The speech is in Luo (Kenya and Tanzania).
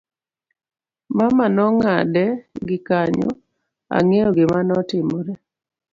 mama nong'ade gi kanyo, ang'eyo gima notimore